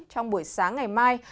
trong buổi sáng ngày mai